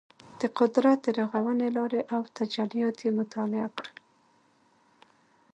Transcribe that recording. د قدرت د رغونې لارې او تجلیات یې مطالعه کړل.